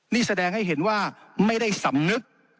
นี่แสดงให้เห็นว่าไม่ได้สำนึก